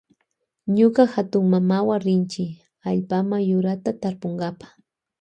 Ñuka hatunmamawa rinchi allpama ullulluta tarpunkapa.